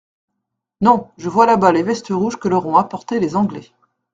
Non, je vois là-bas les vestes rouges que leur ont apportées les Anglais.